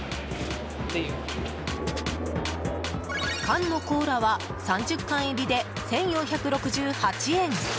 缶のコーラは３０缶入りで１４６８円。